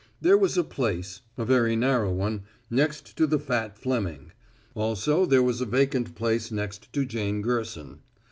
There was a place, a very narrow one, next to the fat Fleming; also there was a vacant place next to Jane Gerson.